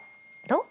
どう？